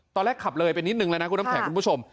ตอนแรกขับเลยไปนิดนึงแล้วนะคุณน้ำแข็งคุณผู้ชม